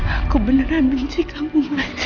aku benci kamu